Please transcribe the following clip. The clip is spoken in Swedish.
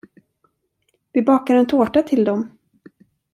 Vi bakar en tårta till dem!